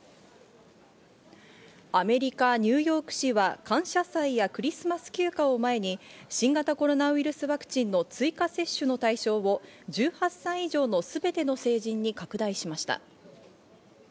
アメリカ・ニューヨーク市は感謝祭やクリスマス休暇を前に新型コロナウイルスワクチンの追加接種の対象を１８歳以上のすべての成人に拡大しました。